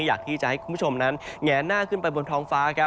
อยากที่จะให้คุณผู้ชมนั้นแงนหน้าขึ้นไปบนท้องฟ้าครับ